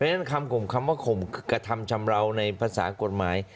เพราะฉะนั้นคำกลมคำว่ากลมกระทำฉำเราในภาษากฎหมาย